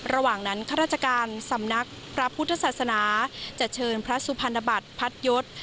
ระหว่างนั้นข้าราชการสำนักพระพุทธศาสนาจะเชิญพระสุพรรณบัตรพัดยศ